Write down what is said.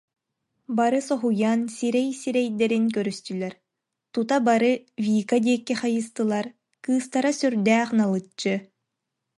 Бары соһуйан сирэй-сирэйдэрин көрүстүлэр, тута бары Вика диэки хайыстылар, кыыстара сүрдээх налыччы: